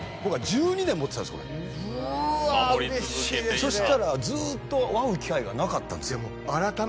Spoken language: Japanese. そしたらずっと会う機会がなかったんです。